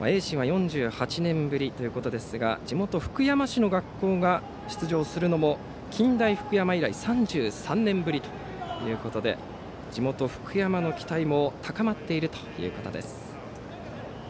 盈進は４８年ぶりということで地元・福山市の学校が出場するのも近大福山以来３３年ぶりで地元・福山の期待も高まっているということです。